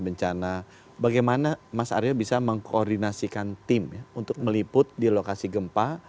bencana bagaimana mas arya bisa mengkoordinasikan tim untuk meliput di lokasi gempa